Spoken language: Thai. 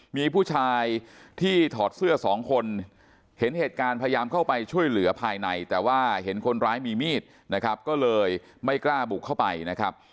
มีผู้ชายที่ถอดเสื้อสองคนเห็นเหตุการณ์พยายามเข้าไปช่วยเหลือภายในแต่ว่าเห็นคนร้ายมีมีดนะครับก็เลยไม่กล้าบุกเข้าไปนะครับ